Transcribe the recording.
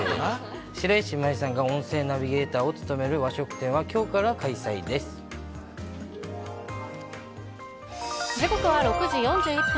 白石麻衣さんが音声ナビゲーターを務める和食店はきょうから時刻は６時４１分。